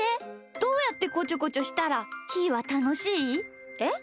どうやってこちょこちょしたらひーはたのしい？えっ？